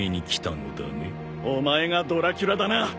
お前がドラキュラだな。